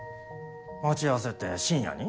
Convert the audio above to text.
待ち合わせって深夜に？